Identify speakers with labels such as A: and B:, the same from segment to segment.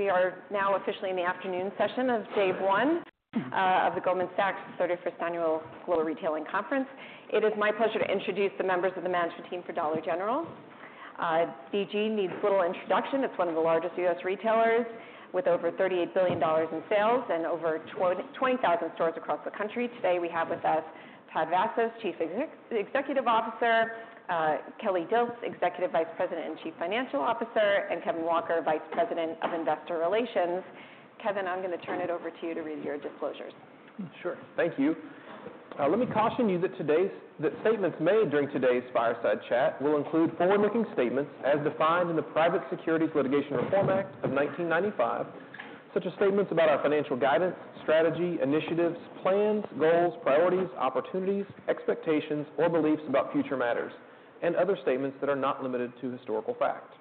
A: We are now officially in the afternoon session of day one of the Goldman Sachs 31st Annual Global Retailing Conference. It is my pleasure to introduce the members of the management team for Dollar General. DG needs little introduction. It's one of the largest U.S. retailers, with over $38 billion in sales and over 20,000 stores across the country. Today, we have with us Todd Vasos, Chief Executive Officer, Kelly Dilts, Executive Vice President and Chief Financial Officer, and Kevin Walker, Vice President of Investor Relations. Kevin, I'm gonna turn it over to you to read your disclosures.
B: Sure. Thank you. Let me caution you that statements made during today's fireside chat will include forward-looking statements as defined in the Private Securities Litigation Reform Act of 1995, such as statements about our financial guidance, strategy, initiatives, plans, goals, priorities, opportunities, expectations, or beliefs about future matters, and other statements that are not limited to historical fact.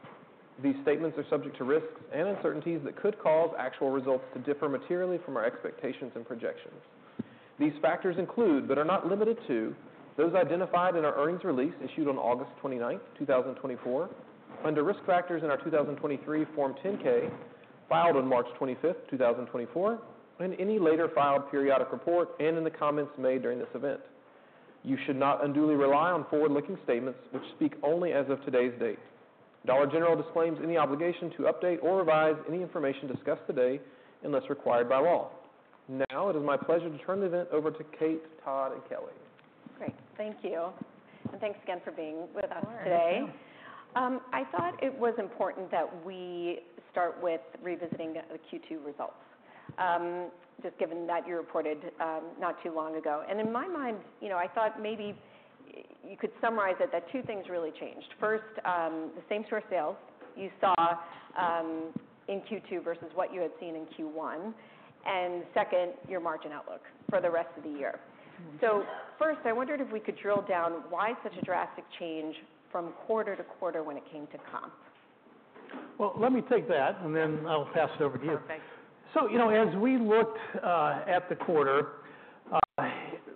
B: These statements are subject to risks and uncertainties that could cause actual results to differ materially from our expectations and projections. These factors include, but are not limited to, those identified in our earnings release issued on August 29, 2024. Under risk factors in our 2023 Form 10-K, filed on March 25, 2024, and any later filed periodic report, and in the comments made during this event. You should not unduly rely on forward-looking statements which speak only as of today's date. Dollar General disclaims any obligation to update or revise any information discussed today unless required by law. Now, it is my pleasure to turn the event over to Kate, Todd, and Kelly.
A: Great. Thank you. And thanks again for being with us today.
C: Of course. Thank you.
A: I thought it was important that we start with revisiting the Q2 results. Just given that you reported not too long ago, and in my mind, you know, I thought maybe you could summarize it, that two things really changed. First, the same-store sales you saw in Q2 versus what you had seen in Q1, and second, your margin outlook for the rest of the year.
C: Mm-hmm.
A: So first, I wondered if we could drill down why such a drastic change from quarter to quarter when it came to comp?
D: Let me take that, and then I'll pass it over to you.
A: Perfect.
D: So, you know, as we looked at the quarter,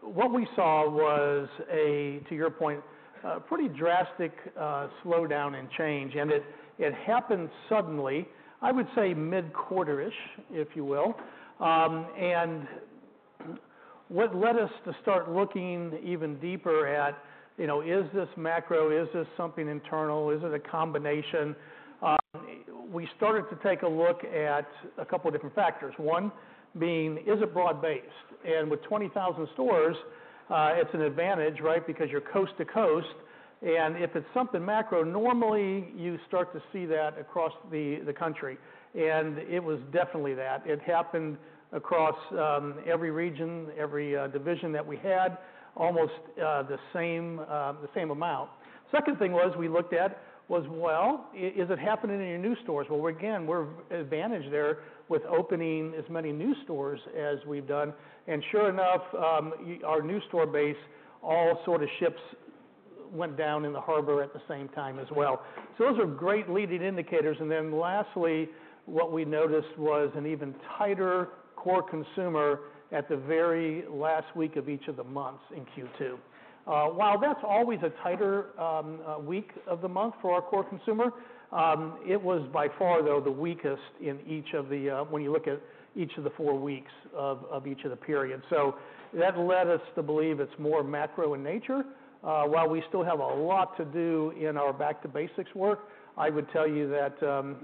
D: what we saw was a, to your point, a pretty drastic slowdown and change, and it happened suddenly, I would say mid-quarter-ish, if you will. And what led us to start looking even deeper at, you know, is this macro? Is this something internal? Is it a combination? We started to take a look at a couple of different factors. One being, is it broad-based? And with 20,000 stores, it's an advantage, right? Because you're coast to coast, and if it's something macro, normally you start to see that across the country. And it was definitely that. It happened across every region, every division that we had, almost the same amount. Second thing was, we looked at was, well, is it happening in your new stores? Well, again, we're advantaged there with opening as many new stores as we've done. And sure enough, our new store base, all sort of ships went down in the harbor at the same time as well. So those are great leading indicators. And then lastly, what we noticed was an even tighter core consumer at the very last week of each of the months in Q2. While that's always a tighter week of the month for our core consumer, it was by far, though, the weakest in each of the, when you look at each of the four weeks of each of the periods. So that led us to believe it's more macro in nature. While we still have a lot to do in our Back to Basics work, I would tell you that,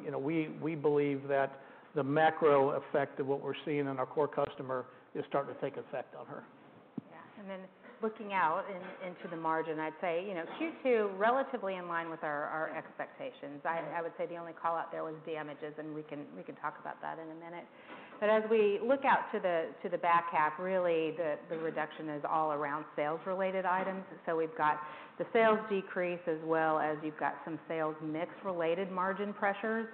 D: you know, we believe that the macro effect of what we're seeing in our core customer is starting to take effect on her.
C: Yeah, and then looking out into the margin, I'd say, you know, Q2, relatively in line with our expectations. I would say the only call-out there was damages, and we can talk about that in a minute. But as we look out to the back half, really, the reduction is all around sales-related items. So we've got the sales decrease, as well as you've got some sales mix-related margin pressures,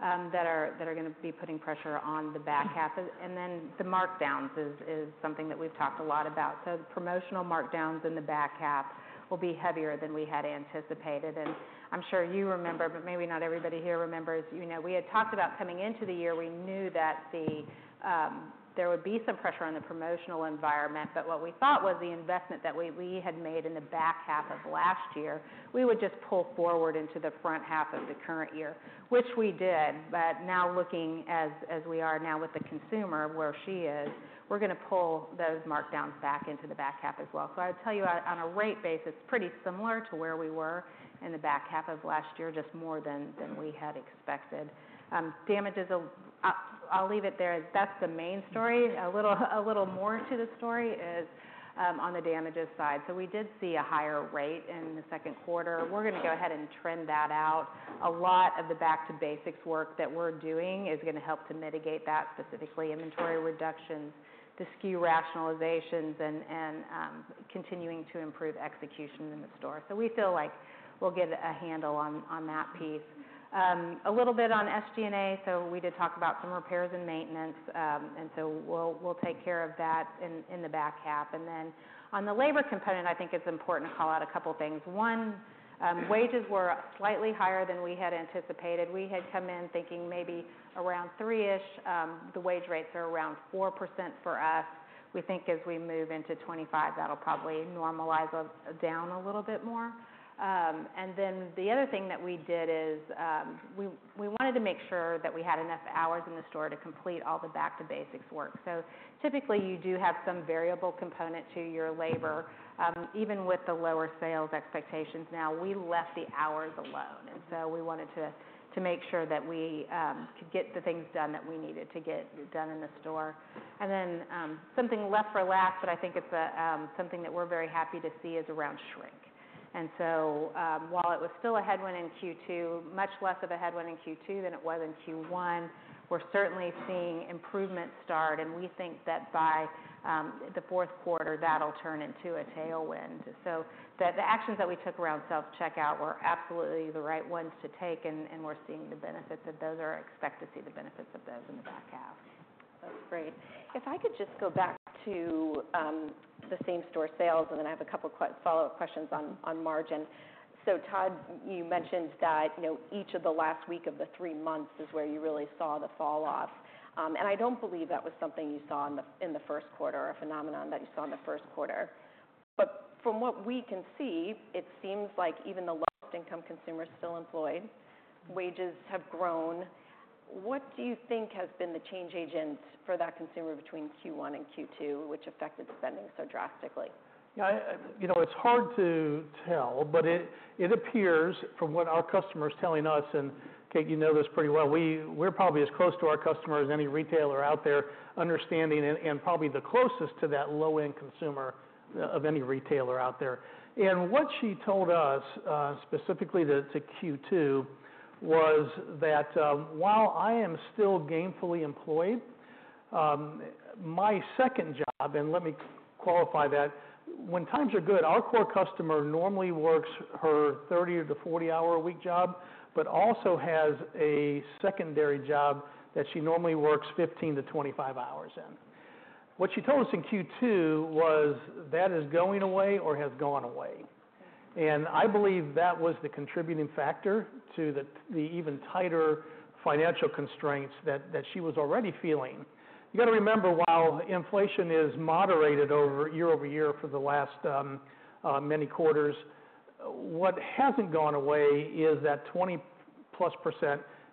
C: that are gonna be putting pressure on the back half. And then the markdowns is something that we've talked a lot about. So the promotional markdowns in the back half will be heavier than we had anticipated. And I'm sure you remember, but maybe not everybody here remembers, you know, we had talked about coming into the year, we knew that the... There would be some pressure on the promotional environment, but what we thought was the investment that we had made in the back half of last year, we would just pull forward into the front half of the current year, which we did. But now looking as we are now with the consumer, where she is, we're gonna pull those markdowns back into the back half as well. So I'd tell you, on a rate basis, pretty similar to where we were in the back half of last year, just more than we had expected. Damages, I'll leave it there. That's the main story. A little more to the story is, on the damages side. So we did see a higher rate in the second quarter. We're gonna go ahead and trend that out. A lot of the Back to Basics work that we're doing is gonna help to mitigate that, specifically inventory reductions, the SKU rationalizations, and continuing to improve execution in the store. So we feel like we'll get a handle on that piece. A little bit on SG&A. So we did talk about some repairs and maintenance, and so we'll take care of that in the back half, and then on the labor component, I think it's important to call out a couple of things. One, wages were slightly higher than we had anticipated. We had come in thinking maybe around three-ish, the wage rates are around 4% for us. We think as we move into 2025, that'll probably normalize us down a little bit more. And then the other thing that we did is, we wanted to make sure that we had enough hours in the store to complete all the Back to Basics work. So typically, you do have some variable component to your labor, even with the lower sales expectations. Now, we left the hours alone, and so we wanted to make sure that we could get the things done that we needed to get done in the store. And then, something left for last, but I think it's a something that we're very happy to see, is around shrink. And so, while it was still a headwind in Q2, much less of a headwind in Q2 than it was in Q1, we're certainly seeing improvement start, and we think that by the fourth quarter, that'll turn into a tailwind. So the actions that we took around self-checkout were absolutely the right ones to take, and we're seeing the benefits of those or expect to see the benefits of those in the back half.
A: That's great. If I could just go back to the same-store sales, and then I have a couple follow-up questions on margin. So Todd, you mentioned that, you know, each of the last week of the three months is where you really saw the falloff. And I don't believe that was something you saw in the first quarter, a phenomenon that you saw in the first quarter. But from what we can see, it seems like even the lowest income consumers still employed, wages have grown. What do you think has been the change agent for that consumer between Q1 and Q2, which affected spending so drastically?
D: Yeah, I you know, it's hard to tell, but it appears, from what our customer's telling us, and Kate, you know this pretty well, we're probably as close to our customer as any retailer out there, understanding and, and probably the closest to that low-end consumer, of any retailer out there. And what she told us, specifically to Q2, was that, "While I am still gainfully employed, my second job..." and let me qualify that. When times are good, our core customer normally works her 30- to 40-hour-a-week job, but also has a secondary job that she normally works 15 to 25 hours in. What she told us in Q2 was, "That is going away or has gone away." And I believe that was the contributing factor to the even tighter financial constraints that she was already feeling. You got to remember, while inflation is moderated over year over year for the last many quarters, what hasn't gone away is that 20+%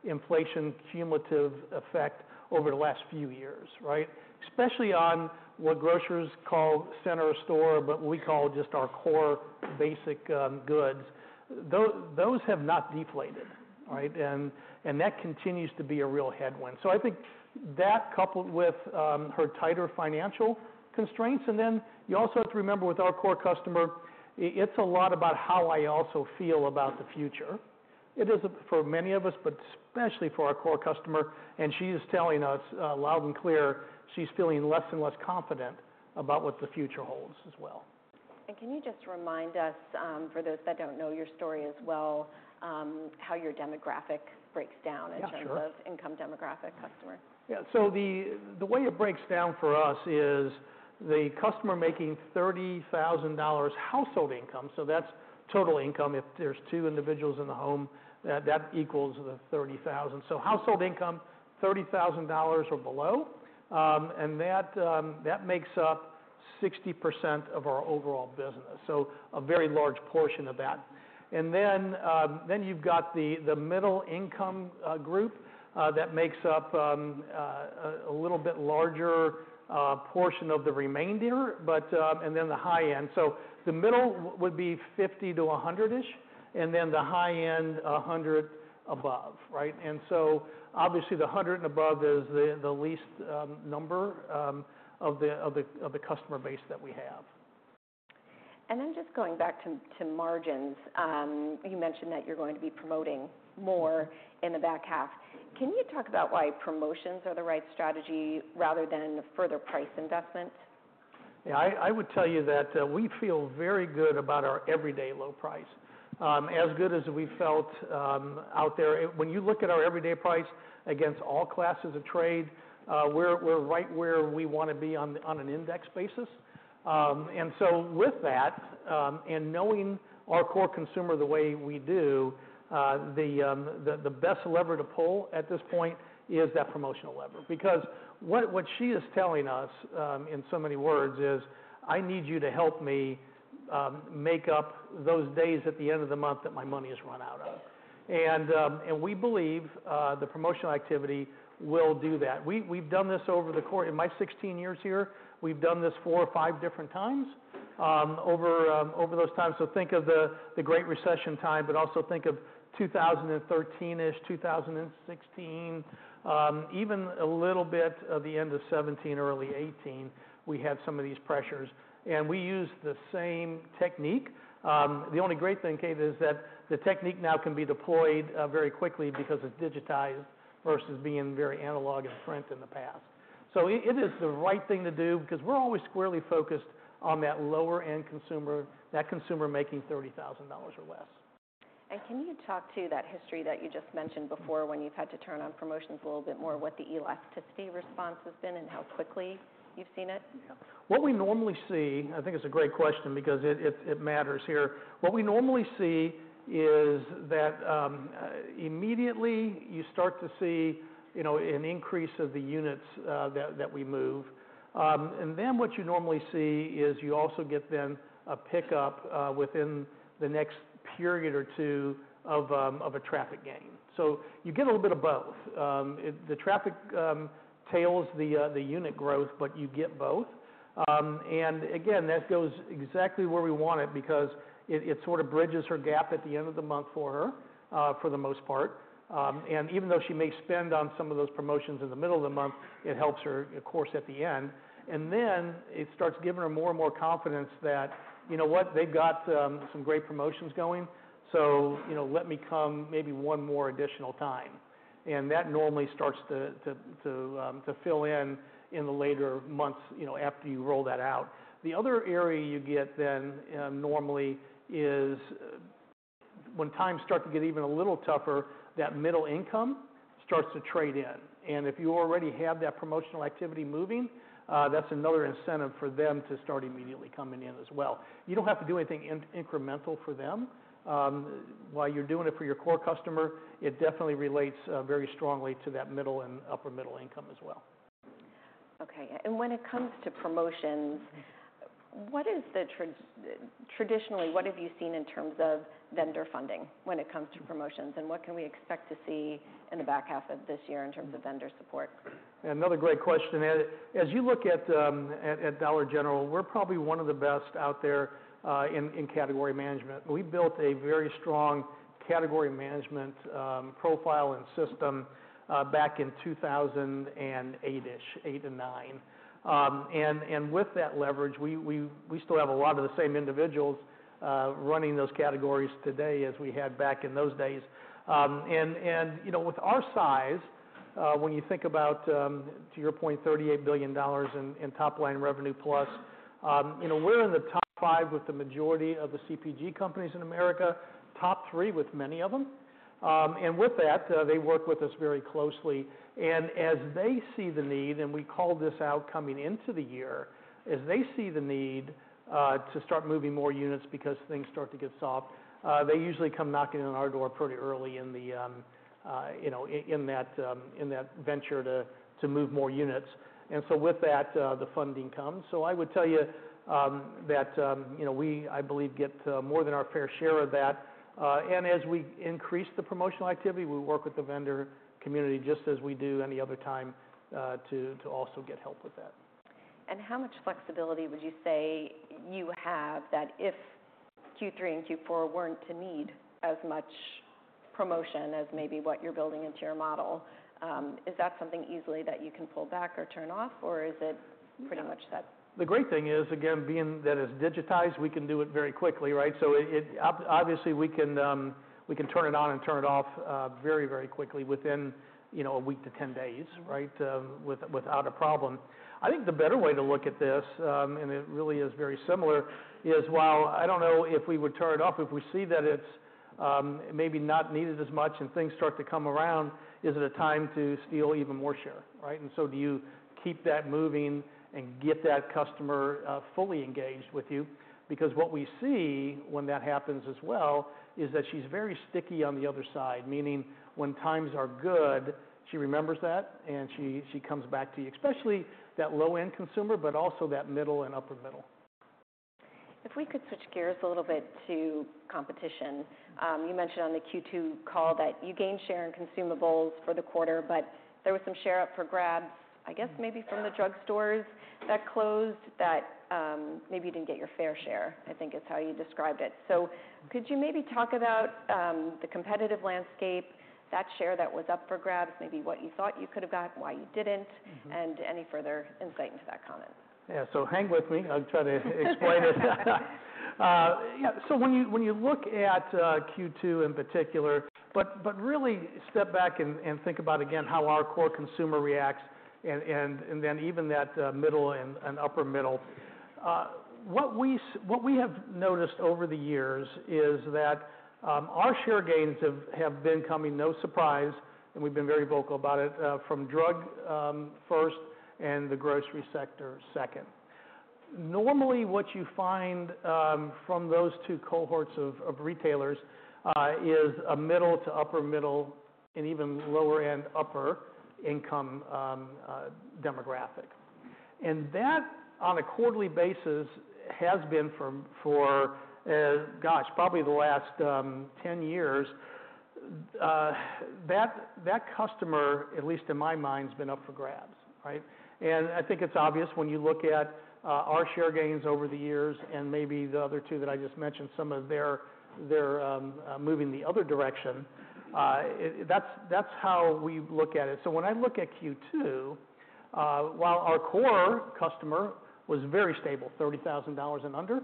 D: inflation cumulative effect over the last few years, right? Especially on what grocers call center store, but we call just our core basic goods. Those have not deflated, right, and that continues to be a real headwind, so I think that, coupled with her tighter financial constraints, and then you also have to remember, with our core customer, it's a lot about how I also feel about the future. It is for many of us, but especially for our core customer, and she is telling us loud and clear, she's feeling less and less confident about what the future holds as well.
A: Can you just remind us, for those that don't know your story as well, how your demographic breaks down?
D: Yeah, sure.
A: In terms of income demographic customer?
D: Yeah. So the way it breaks down for us is, the customer making $30,000 household income, so that's total income. If there's two individuals in the home, that equals the $30,000. So household income, $30,000 or below, and that makes up 60% of our overall business, so a very large portion of that. And then, then you've got the middle income group that makes up a little bit larger portion of the remainder, but... And then the high end. So the middle would be 50 to 100-ish, and then the high end, 100 above, right? And so, obviously, the 100 and above is the least number of the customer base that we have.
A: Then just going back to margins. You mentioned that you're going to be promoting more in the back half. Can you talk about why promotions are the right strategy rather than further price investment?
D: Yeah. I would tell you that we feel very good about our everyday low price, as good as we've felt out there. When you look at our everyday price against all classes of trade, we're right where we want to be on an index basis. And so with that, and knowing our core consumer the way we do, the best lever to pull at this point is that promotional lever. Because what she is telling us in so many words is, "I need you to help me make up those days at the end of the month that my money is run out of." And we believe the promotional activity will do that. We've done this over the course... In my sixteen years here, we've done this four or five different times over those times. So think of the Great Recession time, but also think of 2013-ish, 2016, even a little bit of the end of 2017, early 2018, we had some of these pressures, and we used the same technique. The only great thing, Kate, is that the technique now can be deployed very quickly because it's digitized versus being very analog and print in the past. So it is the right thing to do because we're always squarely focused on that lower-end consumer, that consumer making $30,000 or less.
A: Can you talk to that history that you just mentioned before, when you've had to turn on promotions a little bit more, what the elasticity response has been and how quickly you've seen it?
D: What we normally see. I think it's a great question because it matters here. What we normally see is that immediately, you start to see, you know, an increase of the units that we move. And then what you normally see is you also get then a pickup within the next period or two of a traffic gain. So you get a little bit of both. The traffic tails the unit growth, but you get both. And again, that goes exactly where we want it because it sort of bridges her gap at the end of the month for her, for the most part. And even though she may spend on some of those promotions in the middle of the month, it helps her, of course, at the end. And then it starts giving her more and more confidence that, "You know what? They've got some great promotions going, so, you know, let me come maybe one more additional time." And that normally starts to fill in the later months, you know, after you roll that out. The other area you get then, normally, is when times start to get even a little tougher, that middle income starts to trade in. And if you already have that promotional activity moving, that's another incentive for them to start immediately coming in as well. You don't have to do anything incremental for them. While you're doing it for your core customer, it definitely relates very strongly to that middle and upper middle income as well.
A: Okay. And when it comes to promotions, what is traditionally, what have you seen in terms of vendor funding when it comes to promotions? And what can we expect to see in the back half of this year in terms of vendor support?
D: Another great question. As you look at Dollar General, we're probably one of the best out there in category management. We built a very strong category management profile and system back in 2008-ish, 2008 and 2009. And you know, with that leverage, we still have a lot of the same individuals running those categories today as we had back in those days. And you know, with our size, when you think about, to your point, $38 billion in top line revenue plus, you know, we're in the top five with the majority of the CPG companies in America, top three with many of them. And with that, they work with us very closely. And as they see the need, and we called this out coming into the year, as they see the need to start moving more units because things start to get soft, they usually come knocking on our door pretty early in the, you know, in that venture to move more units. And so with that, the funding comes. So I would tell you that, you know, we, I believe, get more than our fair share of that. And as we increase the promotional activity, we work with the vendor community just as we do any other time to also get help with that.
A: And how much flexibility would you say you have, that if Q3 and Q4 weren't to need as much promotion as maybe what you're building into your model, is that something easily that you can pull back or turn off? Or is it pretty much that?
D: The great thing is, again, being that it's digitized, we can do it very quickly, right? So it obviously we can turn it on and turn it off very quickly within, you know, a week to ten days, right, without a problem. I think the better way to look at this, and it really is very similar, is while I don't know if we would turn it off, if we see that it's maybe not needed as much and things start to come around, is it a time to steal even more share, right? And so do you keep that moving and get that customer fully engaged with you? Because what we see when that happens as well, is that she's very sticky on the other side. Meaning, when times are good, she remembers that, and she, she comes back to you, especially that low-end consumer, but also that middle and upper middle.
A: If we could switch gears a little bit to competition. You mentioned on the Q2 call that you gained share in consumables for the quarter, but there was some share up for grabs, I guess, maybe from the drugstores that closed, that maybe you didn't get your fair share, I think is how you described it. So could you maybe talk about the competitive landscape, that share that was up for grabs, maybe what you thought you could have got, why you didn't?
D: Mm-hmm.
A: and any further insight into that comment?
D: Yeah. So hang with me. I'll try to explain it. Yeah, so when you look at Q2 in particular. But really step back and think about, again, how our core consumer reacts and then even that middle and upper middle. What we have noticed over the years is that our share gains have been coming, no surprise, and we've been very vocal about it, from drug first and the grocery sector second. Normally, what you find from those two cohorts of retailers is a middle to upper middle and even lower and upper income demographic. That, on a quarterly basis, has been for, gosh, probably the last 10 years, that customer, at least in my mind, has been up for grabs, right? I think it's obvious when you look at our share gains over the years and maybe the other two that I just mentioned. Some of theirs, they're moving the other direction. That's how we look at it, so when I look at Q2, while our core customer was very stable, $30,000 and under,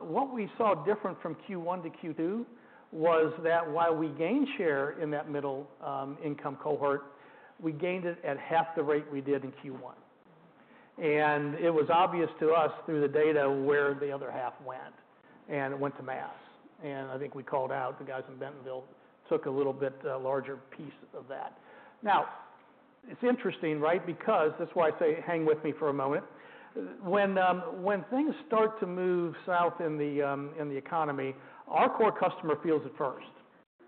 D: what we saw different from Q1 to Q2 was that while we gained share in that middle income cohort, we gained it at half the rate we did in Q1, and it was obvious to us through the data where the other half went, and it went to mass. And I think we called out, the guys in Bentonville took a little bit larger piece of that. Now, it's interesting, right? Because that's why I say hang with me for a moment. When things start to move south in the economy, our core customer feels it first,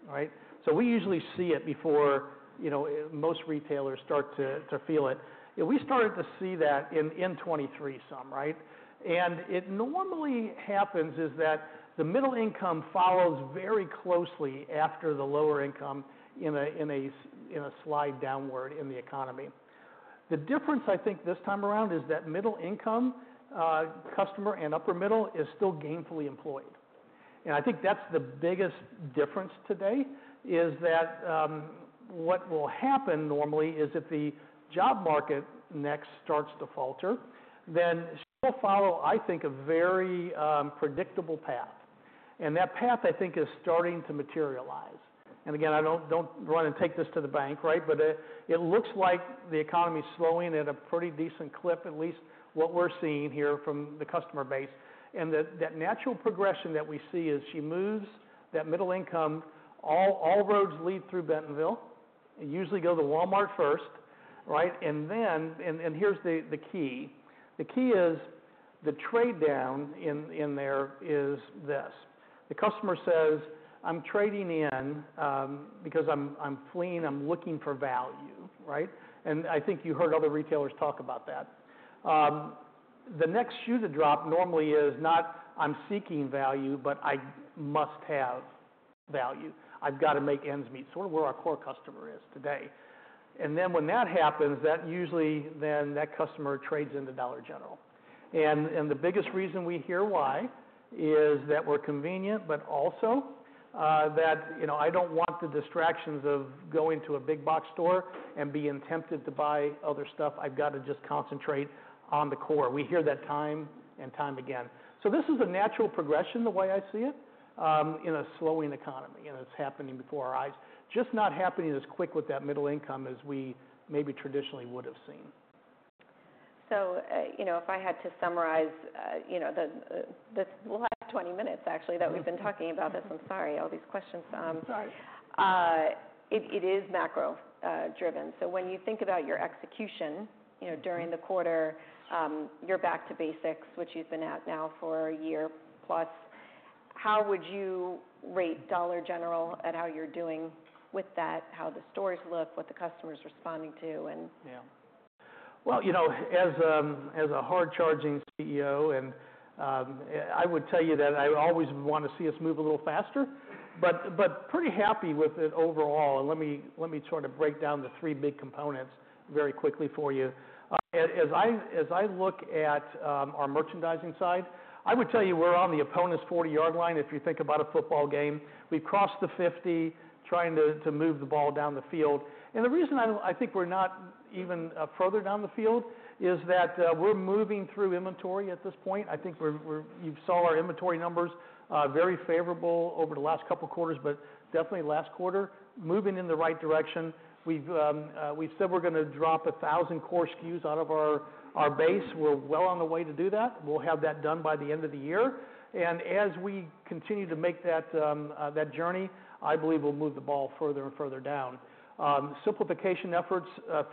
D: right? So we usually see it before, you know, most retailers start to feel it. And we started to see that in twenty twenty-three, right? And it normally happens is that the middle income follows very closely after the lower income in a slide downward in the economy. The difference, I think, this time around is that middle income customer and upper middle is still gainfully employed. And I think that's the biggest difference today is that what will happen normally is if the job market next starts to falter, then she'll follow, I think, a very predictable path. And that path, I think, is starting to materialize. And again, I don't run and take this to the bank, right? But it looks like the economy is slowing at a pretty decent clip, at least what we're seeing here from the customer base. And that natural progression that we see as she moves, that middle income, all roads lead through Bentonville, and usually go to Walmart first, right? And then, and here's the key. The key is the trade down in there is this: the customer says, "I'm trading in because I'm fleeing, I'm looking for value," right? And I think you heard other retailers talk about that. The next shoe to drop normally is not, "I'm seeking value," but, "I must have value. I've got to make ends meet." So where our core customer is today. And then when that happens, that usually then that customer trades into Dollar General. And the biggest reason we hear why is that we're convenient, but also, that, you know, I don't want the distractions of going to a big box store and being tempted to buy other stuff. I've got to just concentrate on the core. We hear that time and time again. So this is a natural progression, the way I see it, in a slowing economy, and it's happening before our eyes. Just not happening as quick with that middle income as we maybe traditionally would have seen.
A: So, you know, if I had to summarize, you know, this last 20 minutes, actually, that we've been talking about this. I'm sorry, all these questions,
D: It's all right.
A: It is macro driven. So when you think about your execution, you know, during the quarter, you're Back to Basics, which you've been at now for a year plus. How would you rate Dollar General at how you're doing with that, how the stores look, what the customer is responding to, and-
D: Yeah. Well, you know, as a hard-charging CEO, and I would tell you that I always want to see us move a little faster, but pretty happy with it overall, and let me sort of break down the three big components very quickly for you. As I look at our merchandising side, I would tell you, we're on the opponent's 40-yard line, if you think about a football game. We've crossed the 50, trying to move the ball down the field, and the reason I don't think we're not even further down the field is that we're moving through inventory at this point. I think we're. You saw our inventory numbers very favorable over the last couple of quarters, but definitely last quarter, moving in the right direction. We've said we're gonna drop a thousand core SKUs out of our base. We're well on the way to do that. We'll have that done by the end of the year. As we continue to make that journey, I believe we'll move the ball further and further down. Simplification efforts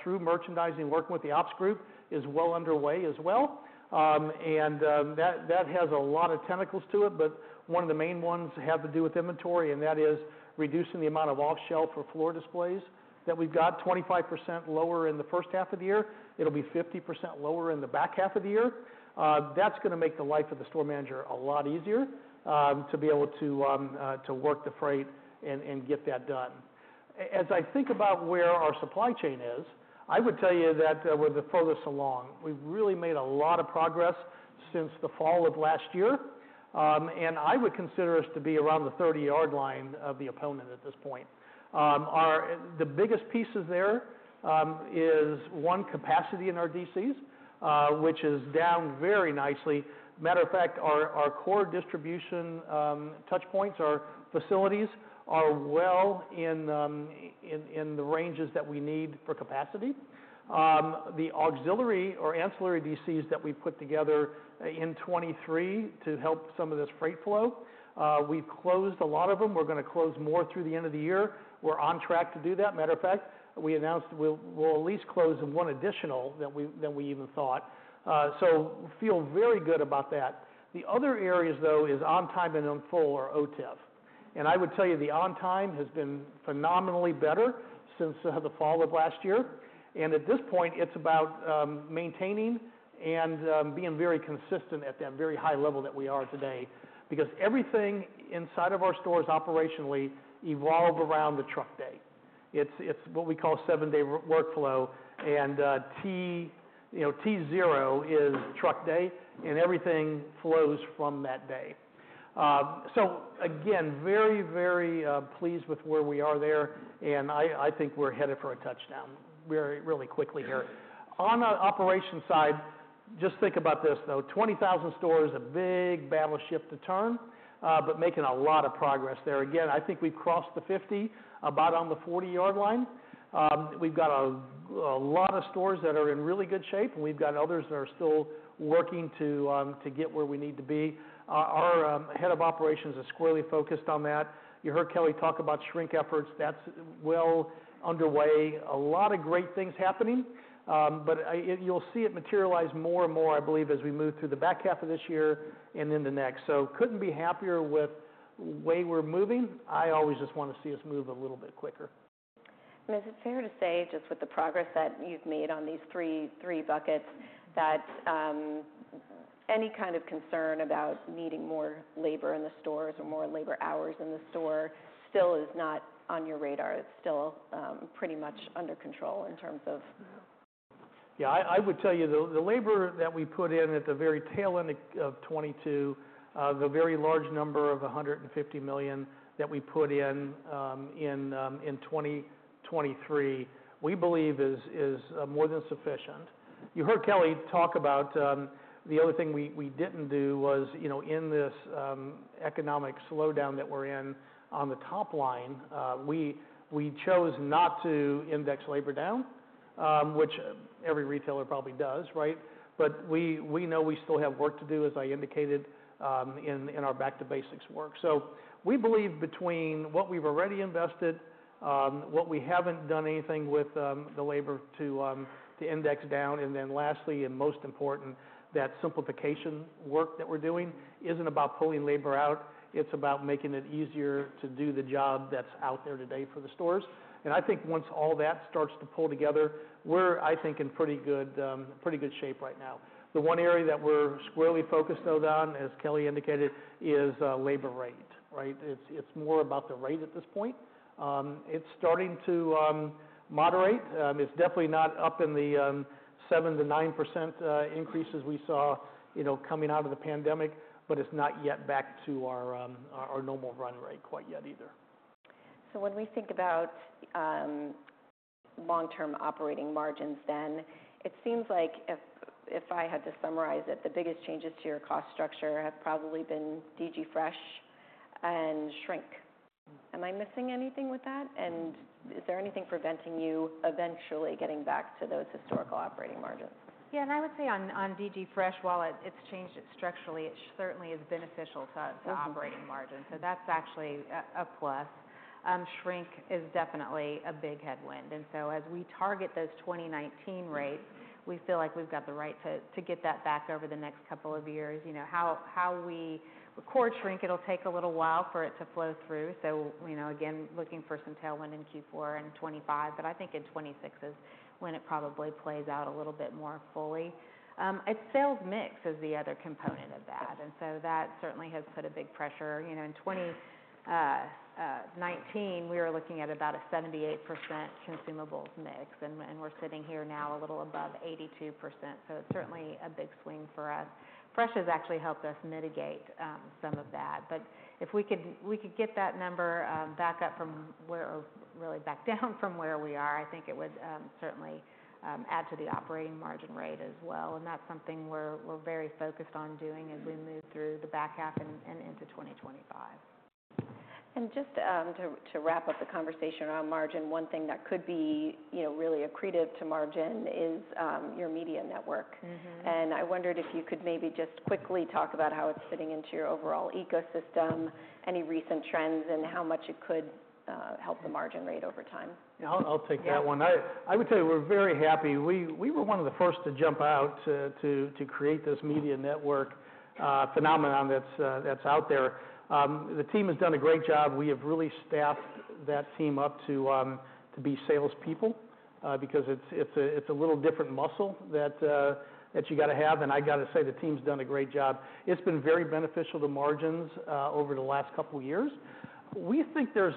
D: through merchandising, working with the ops group, is well underway as well. That has a lot of tentacles to it, but one of the main ones have to do with inventory, and that is reducing the amount of off-shelf or floor displays that we've got. 25% lower in the first half of the year. It'll be 50% lower in the back half of the year. That's gonna make the life of the store manager a lot easier, to be able to work the freight and get that done. As I think about where our supply chain is, I would tell you that we're the furthest along. We've really made a lot of progress since the fall of last year, and I would consider us to be around the thirty-yard line of the opponent at this point. The biggest pieces there is one, capacity in our DCs, which is down very nicely. Matter of fact, our core distribution touch points, our facilities, are well in the ranges that we need for capacity. The auxiliary or ancillary DCs that we've put together in 2023 to help some of this freight flow, we've closed a lot of them. We're gonna close more through the end of the year. We're on track to do that. Matter of fact, we announced we'll at least close one additional than we even thought, so we feel very good about that. The other areas, though, is on time and in full or OTIF. I would tell you, the on time has been phenomenally better since the fall of last year. At this point, it's about maintaining and being very consistent at that very high level that we are today. Because everything inside of our stores operationally evolve around the truck day. It's what we call 7-Day Workflow, and T-0 is truck day, and everything flows from that day. So again, very, very pleased with where we are there, and I think we're headed for a touchdown very, really quickly here. On our operation side, just think about this, though, 20,000 stores, a big battleship to turn, but making a lot of progress there. Again, I think we've crossed the 50, about on the 40-yard line. We've got a lot of stores that are in really good shape, and we've got others that are still working to get where we need to be. Our head of operations is squarely focused on that. You heard Kelly talk about shrink efforts. That's well underway. A lot of great things happening, but you'll see it materialize more and more, I believe, as we move through the back half of this year and in the next. So couldn't be happier with the way we're moving. I always just want to see us move a little bit quicker.
A: And is it fair to say, just with the progress that you've made on these three buckets, that any kind of concern about needing more labor in the stores or more labor hours in the store still is not on your radar? It's still pretty much under control in terms of-...
D: Yeah, I would tell you, the labor that we put in at the very tail end of 2022, the very large number of $150 million that we put in in 2023, we believe is more than sufficient. You heard Kelly talk about, the other thing we didn't do was, you know, in this economic slowdown that we're in on the top line, we chose not to index labor down, which every retailer probably does, right? But we know we still have work to do, as I indicated, in our Back to Basics work. So we believe between what we've already invested, what we haven't done anything with, the labor to index down, and then lastly, and most important, that simplification work that we're doing isn't about pulling labor out, it's about making it easier to do the job that's out there today for the stores. And I think once all that starts to pull together, we're, I think, in pretty good, pretty good shape right now. The one area that we're squarely focused, though, on, as Kelly indicated, is labor rate, right? It's more about the rate at this point. It's starting to moderate. It's definitely not up in the 7%-9% increases we saw, you know, coming out of the pandemic, but it's not yet back to our normal run rate quite yet either.
A: So when we think about long-term operating margins, then it seems like if I had to summarize it, the biggest changes to your cost structure have probably been DG Fresh and shrink. Am I missing anything with that? And is there anything preventing you eventually getting back to those historical operating margins?
C: Yeah, and I would say on DG Fresh, while it's changed it structurally, it certainly is beneficial to us-
A: Mm-hmm.
C: to operating margin, so that's actually a plus. Shrink is definitely a big headwind. And so as we target those 2019 rates, we feel like we've got the right to get that back over the next couple of years. You know, core shrink, it'll take a little while for it to flow through. So, you know, again, looking for some tailwind in Q4 and 2025, but I think in 2026 is when it probably plays out a little bit more fully. Our sales mix is the other component of that, and so that certainly has put a big pressure. You know, in 2019, we were looking at about a 78% consumables mix, and we're sitting here now a little above 82%, so it's certainly a big swing for us. Fresh has actually helped us mitigate some of that, but if we could get that number back up from where... or really back down from where we are, I think it would certainly add to the operating margin rate as well, and that's something we're very focused on doing as we move through the back half and into 2025.
A: Just to wrap up the conversation around margin, one thing that could be, you know, really accretive to margin is your media network.
C: Mm-hmm.
A: I wondered if you could maybe just quickly talk about how it's fitting into your overall ecosystem, any recent trends, and how much it could help the margin rate over time?
D: Yeah, I'll take that one.
C: Yeah.
D: I would say we're very happy. We were one of the first to jump out to create this media network phenomenon that's out there. The team has done a great job. We have really staffed that team up to be salespeople because it's a little different muscle that you gotta have, and I got to say, the team's done a great job. It's been very beneficial to margins over the last couple of years. We think there's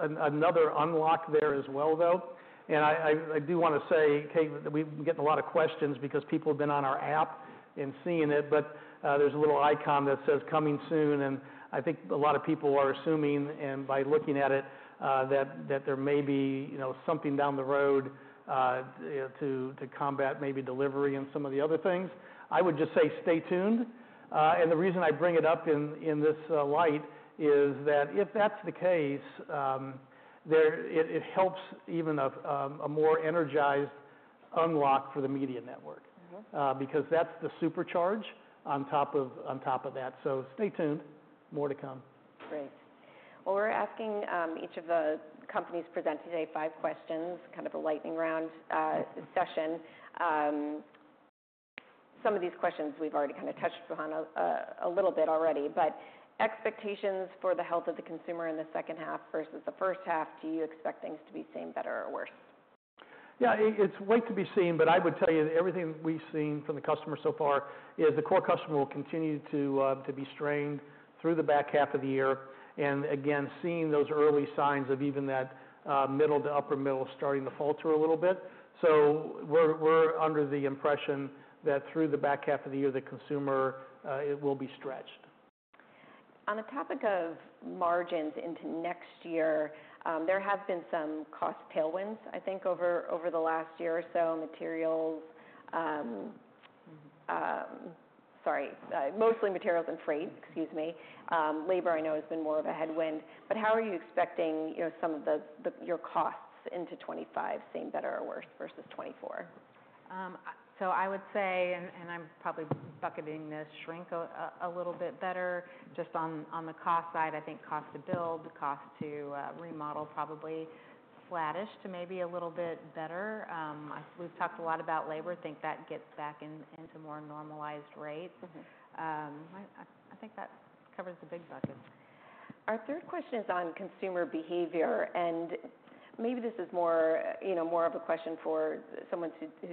D: another unlock there as well, though. And I do wanna say, Kate, we've been getting a lot of questions because people have been on our app and seeing it, but there's a little icon that says, "Coming soon," and I think a lot of people are assuming, and by looking at it, that there may be, you know, something down the road, you know, to combat maybe delivery and some of the other things. I would just say stay tuned. And the reason I bring it up in this light is that if that's the case, it helps even a more energized unlock for the media network.
A: Mm-hmm.
D: Because that's the supercharge on top of that. So stay tuned. More to come.
A: Great. Well, we're asking each of the companies presented today five questions, kind of a lightning round session. Some of these questions we've already kind of touched upon a little bit already, but expectations for the health of the consumer in the second half versus the first half, do you expect things to be same, better, or worse?
D: Yeah, it's yet to be seen, but I would tell you that everything we've seen from the customer so far is the core customer will continue to be strained through the back half of the year. And again, seeing those early signs of even that middle to upper middle starting to falter a little bit. So we're under the impression that through the back half of the year, the consumer it will be stretched.
A: On the topic of margins into next year, there have been some cost tailwinds, I think, over the last year or so, materials... Sorry, mostly materials and freight, excuse me. Labor, I know, has been more of a headwind, but how are you expecting, you know, some of the your costs into 2025, same, better, or worse versus 2024?
C: So I would say, and I'm probably bucketing this shrink a little bit better, just on the cost side. I think cost to build, cost to remodel, probably flattish to maybe a little bit better. We've talked a lot about labor, think that gets back into more normalized rates.
A: Mm-hmm.
C: I think that covers the big buckets.
A: Our third question is on consumer behavior, and maybe this is more, you know, more of a question for someone who's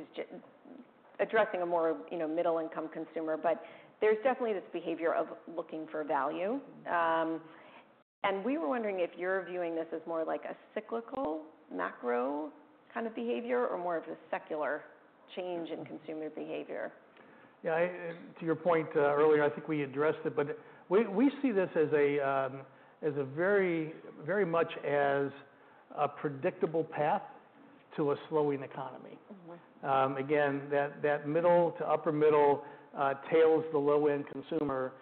A: addressing a more, you know, middle-income consumer, but there's definitely this behavior of looking for value, and we were wondering if you're viewing this as more like a cyclical, macro kind of behavior or more of a secular change in consumer behavior?
D: Yeah, to your point, earlier, I think we addressed it, but we see this as a very, very much as a predictable path to a slowing economy.
A: Mm-hmm.
D: Again, that middle to upper middle tails the low-end consumer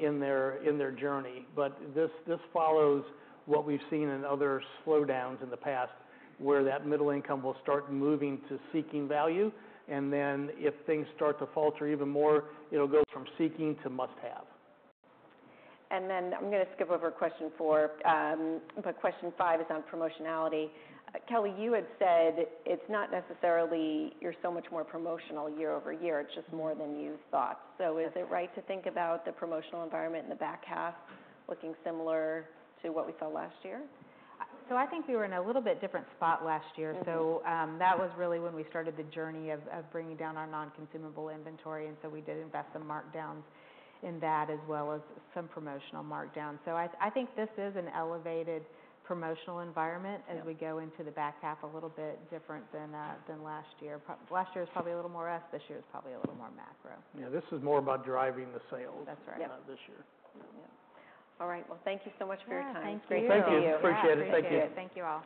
D: in their journey. But this follows what we've seen in other slowdowns in the past, where that middle income will start moving to seeking value, and then if things start to falter even more, it'll go from seeking to must-have.
A: And then I'm gonna skip over question four, but question five is on promotionality. Kelly, you had said it's not necessarily you're so much more promotional year over year, it's just more than you thought. So is it right to think about the promotional environment in the back half looking similar to what we saw last year?
C: So I think we were in a little bit different spot last year.
A: Mm-hmm.
C: So, that was really when we started the journey of bringing down our non-consumable inventory, and so we did invest some markdowns in that, as well as some promotional markdowns. So I think this is an elevated promotional environment-
A: Yeah
C: as we go into the back half, a little bit different than last year. Last year was probably a little more us, this year is probably a little more macro.
D: Yeah, this is more about driving the sales-
C: That's right.
A: Yep
D: This year.
C: Yeah.
A: All right. Well, thank you so much for your time.
C: Yeah, thank you.
D: Thank you. Appreciate it. Thank you.
C: Yeah, appreciate it. Thank you all.